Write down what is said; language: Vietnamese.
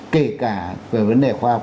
kể cả về vấn đề khoa học